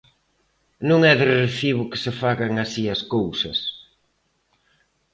Non é de recibo que se fagan así as cousas.